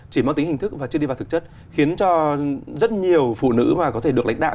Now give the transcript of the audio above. chỉ mang tính hình thức và chưa đi vào thực chất khiến cho rất nhiều phụ nữ mà có thể được lãnh đạo